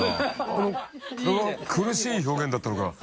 あれは苦しい表現だったのかな？